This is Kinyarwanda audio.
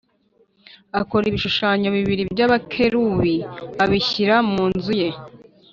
akora ibishushanyo bibiri by abakerubi abishyira mu nzu ye